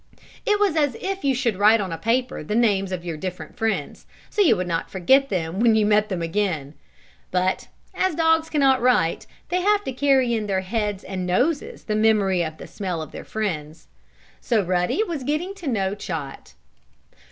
It was as if you should write on a paper the names of your different friends, so you would not forget them when you met them again. But, as dogs can not write, they have to carry in their heads and noses the memory of the smell of their friends. So Ruddy was getting to know Chot.